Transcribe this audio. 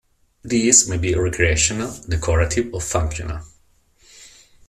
These may be recreational, decorative, or functional.